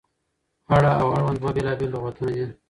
اړه او اړوند دوه بېلابېل لغتونه دي.